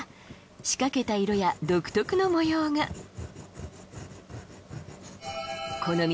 仕掛けた色や独特の模様がこの道